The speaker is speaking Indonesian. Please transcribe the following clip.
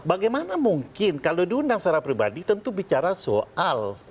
bagaimana mungkin kalau diundang secara pribadi tentu bicara soal